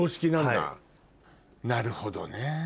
なるほどね。